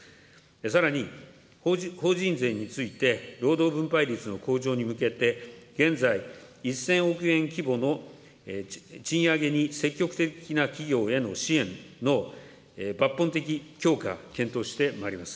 さらに、法人税について、労働分配率の向上に向けて、現在、１０００億円規模の賃上げに積極的な企業への支援の抜本的強化、検討してまいります。